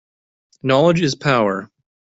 Knowledge is power.